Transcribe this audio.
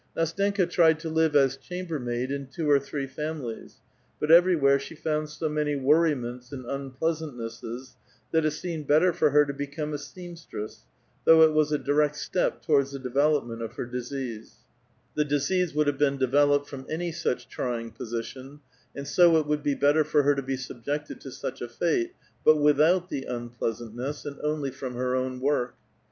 Ndstenka tried to live as chambermaid in two or three families, but every where she found so many worriments and unpleasantnesses, that it seemed better for her to become a seamstress, though it was a direct step towards the development of her disease ; the disease would have been developed from any such trying position, and so it would be better for her to be subjected to such a fate, but without the unpleasantness, and only from her own work.